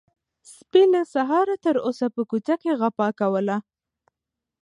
سپي له سهاره تر اوسه په کوڅه کې غپا کوله.